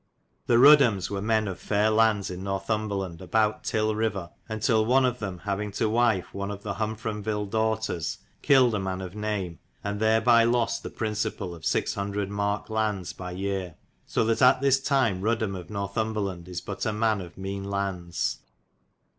The Rudhams were men of fair landes in Northumbre lande about Tille ryver, ontyl one of them having to wdfe one of the Humframville doughters killid a man of name, and thereby lost the principale of 600. marke landes by yere. So that at this tyme Rudham of Northumbreland is but a man of mene landes.